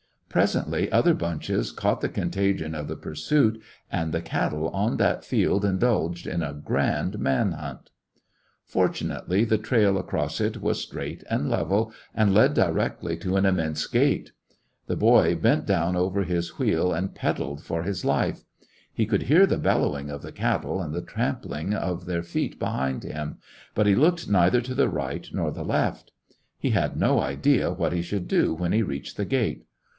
Presently other bunches caught the contagion of the pursuit, and the cattle on that field indulged in a grand man hunt. Fortunately the trail across it was straight 98 lyiissionarY in t^e Great West and level and led directly to an immense gate. Chased by the The boy bent down over Ms wheel and ^^ pedalled for his life. He could hear the bel lowing of the cattle and the tramping of their feet behind him, but he looked neither to the right nor the left. He had no idea what he should do when he reached the gate.